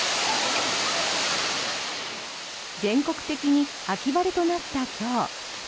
全国的に秋晴れとなった今日。